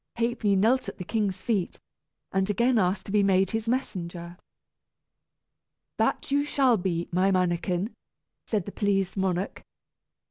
Ha'penny knelt at the king's feet, and again asked to be made his messenger. "That shall you be, my mannikin!" said the pleased monarch.